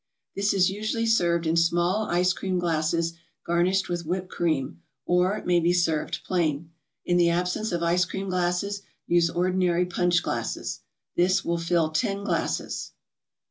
This is usually served in small ice cream glasses garnished with whipped cream, or may be served plain. In the absence of ice cream glasses, use ordinary punch glasses. This will fill ten glasses.